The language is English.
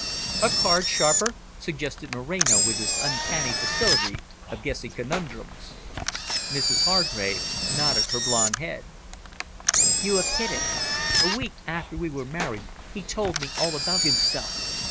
"A card sharper?" suggested Moreno, with his uncanny facility of guessing conundrums. Mrs Hargrave nodded her blonde head. "You have hit it. A week after we were married he told me all about himself.